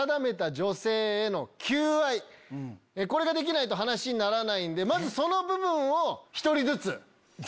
これができないと話にならないんでその部分を。